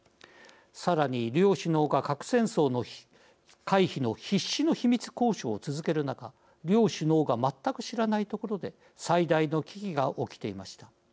さらに、両首脳が核戦争の回避の必死の秘密交渉を続ける中両首脳が全く知らないところで最大の危機が起きていました。